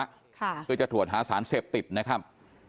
ค่ะก็จะถวดหาสารเสพติดนะครับ